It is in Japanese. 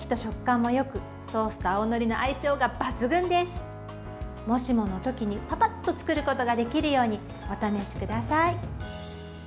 もしもの時にパパッと作ることができるようにお試しください。